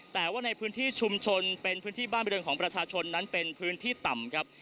แต่ว่าในพื้นที่ชุมชนเป็นพื้นที่บ้านบริเวณของประชาชนนั้นเป็นพื้นที่ต่ำครับ